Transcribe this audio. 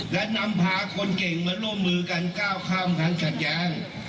และนำพาคนเก่งมาร่วมมือกันก้าวข้ามครั้งขัดแย้ง